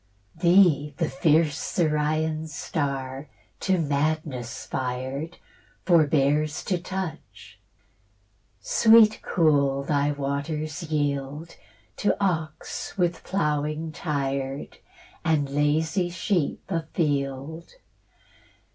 Thee the fierce Sirian star, to madness fired, Forbears to touch: sweet cool thy waters yield To ox with ploughing tired, And lazy sheep afield.